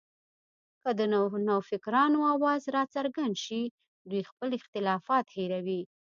که د نوفکرانو اواز راڅرګند شي، دوی خپل اختلافات هېروي